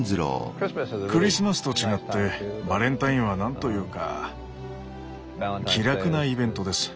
クリスマスと違ってバレンタインはなんというか気楽なイベントです。